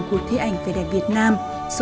cuộc thi ảnh về đẹp việt nam